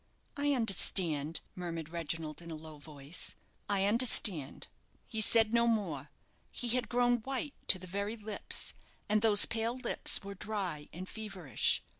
"I understand," murmured Reginald, in a low voice; "I understand." He said no more. He had grown white to the very lips; and those pale lips were dry and feverish.